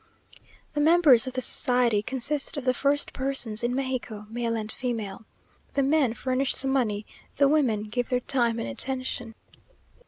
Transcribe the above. The members of the society consist of the first persons in Mexico, male and female. The men furnish the money; the women give their time and attention.